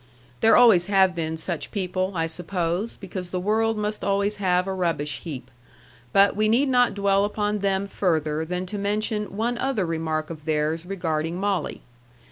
There always have been such people, I suppose, because the world must always have a rubbish heap. But we need not dwell upon them further than to mention one other remark of theirs regarding Molly.